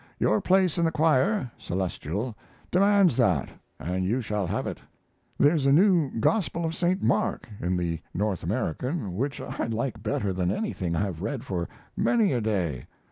Your place in the choir (celestial) demands that & you shall have it. There's a new Gospel of Saint Mark in the North American which I like better than anything I've read for many a day.